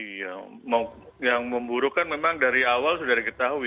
iya yang memburuk kan memang dari awal sudah diketahui